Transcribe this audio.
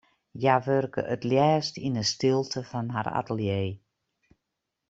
Hja wurke it leafst yn 'e stilte fan har atelier.